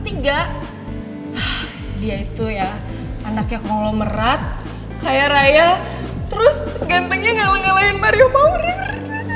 dia itu ya anaknya konglomerat kaya raya terus gantengnya ngalah ngalahin mario powerin